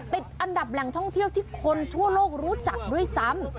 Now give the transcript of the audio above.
ติดอันดับแหล่งท่องเที่ยวที่คนทั่วโลกรู้จักด้วยซ้ำ